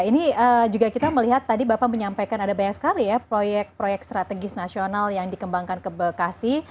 ini juga kita melihat tadi bapak menyampaikan ada banyak sekali ya proyek proyek strategis nasional yang dikembangkan ke bekasi